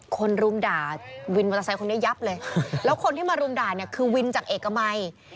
รุมด่าวินมอเตอร์ไซค์คนนี้ยับเลยแล้วคนที่มารุมด่าเนี่ยคือวินจากเอกมัย